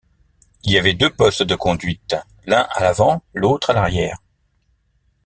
Il y avait deux postes de conduite, l'un à l'avant, l'autre à l'arrière.